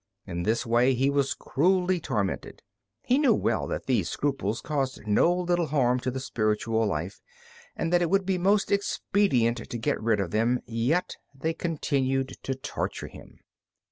In this way he was cruelly tormented. He knew well that these scruples caused no little harm to the spiritual life, and that it was most expedient to get rid of them, yet they continued to torture him.